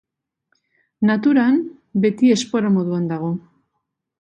Naturan beti espora moduan dago.